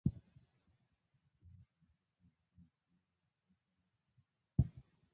Imetayarishwa na Kennes Bwire, sauti ya Amerika Washington